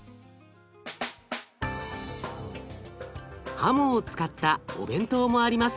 ハモを使ったお弁当もあります。